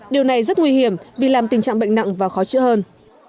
điều này rất nguy hiểm vì làm tình trạng bệnh nặng và khó chữa hơn